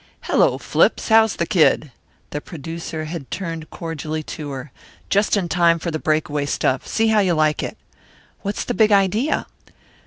"Hello, Flips! How's the kid?" The producer had turned cordially to her. "Just in time for the breakaway stuff. See how you like it." "What's the big idea?"